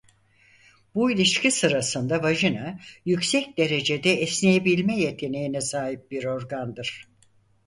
Bu ilişki sırasında vajina yüksek derecede esneyebilme yeteneğine sahip bir organdır.